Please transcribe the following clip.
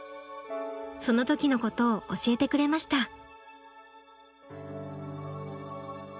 その時のことを教えてくれました。